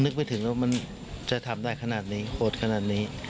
ไม่ถึงแล้วมันจะทำได้ขนาดนี้โหดขนาดนี้